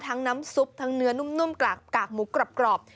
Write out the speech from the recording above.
น้ำซุปทั้งเนื้อนุ่มกากหมูกรอบ